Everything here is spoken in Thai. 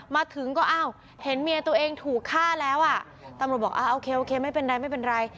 มาถึงก็อ้าวเห็นเมียตัวเองถูกฆ่าแล้วอ่ะตำรวจบอกอ่าโอเคโอเคไม่เป็นไรไม่เป็นไร